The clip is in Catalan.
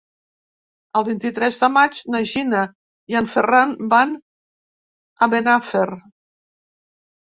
El vint-i-tres de maig na Gina i en Ferran van a Benafer.